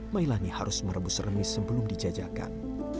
mailani harus merebus remis sebelum dijajakan